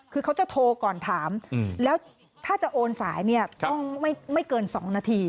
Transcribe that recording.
คือเขาจะโทรก่อนถามแล้วถ้าจะโอนสายเนี่ยต้องไม่เกิน๒นาที